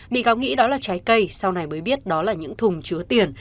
bị cáo nghĩ đó là trái cây sau này mới biết đó là những thùng chứa tiền